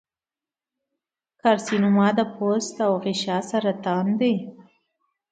د کارسینوما د پوست او غشا سرطان دی.